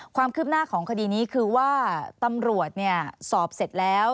ความคืบหน้าของคดีนี้คือว่าตำรวจสอบเสร็จแล้ว